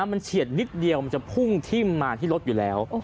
มันเฉียดนิดเดียวมันจะพุ่งทิ้มมาที่รถอยู่แล้ว